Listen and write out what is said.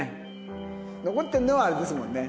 残ってるのはあれですもんね